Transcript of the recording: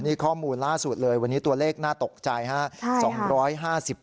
นี่ข้อมูลล่าสุดเลยวันนี้ตัวเลขน่าตกใจครับ